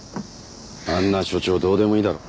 あんな署長どうでもいいだろ。